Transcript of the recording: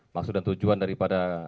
maksud dan tujuan daripada